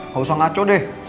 gak usah ngaco deh